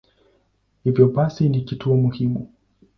Hivyo basi ni kituo muhimu.